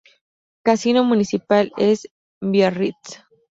Casino Municipal de Biarritz.